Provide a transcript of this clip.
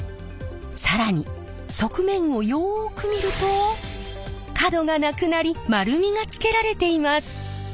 更に側面をよく見ると角がなくなり丸みがつけられています。